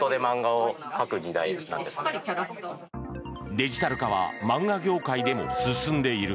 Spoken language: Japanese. デジタル化は漫画業界でも進んでいる。